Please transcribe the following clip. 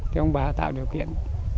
thì ông bà tạo điều kiện